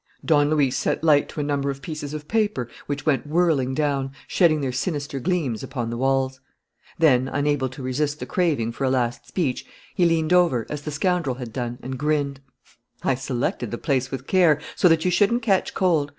Don Luis set light to a number of pieces of paper, which went whirling down, shedding their sinister gleams upon the walls. Then, unable to resist the craving for a last speech, he leaned over, as the scoundrel had done, and grinned: "I selected the place with care, so that you shouldn't catch cold.